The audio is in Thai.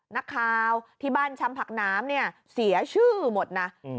นักข่าวที่บ้านชำผักน้ำเนี่ยเสียชื่อหมดนะ